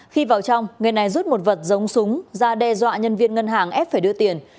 khi vào trong người này rút một vật giống súng ra đe dọa nhân viên ngân hàng ép phải đưa tiền